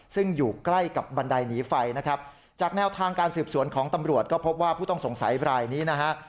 ซึ่งอยู่ใกล้กับบันไดหนีไฟนะครับจากแนวทางการสืบสวนของตำรวจก็พบว่าผู้ต้องสงสัยบรายนี้นะฮะ